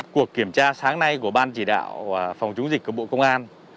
cuộc kiểm tra sáng nay của ban chỉ đạo phòng chúng dịch công bộ công an